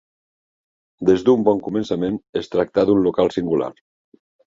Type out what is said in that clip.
Des d'un bon començament es tractà d'un local singular.